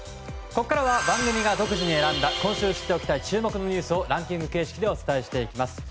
ここからは番組が独自に選んだ今週知っておきたい注目ニュースをランキング形式でお伝えしていきます。